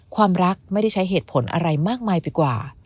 ความรักไม่ได้ใช้เหตุผลอะไรมากมายไปกว่า